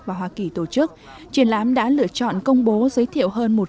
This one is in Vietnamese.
và hoa kỳ tổ chức triển lãm đã lựa chọn công bố giới thiệu hơn